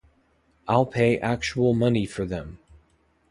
I'll pay actual money for them.